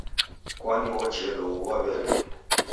Kwani wocheluw'ua w'ele.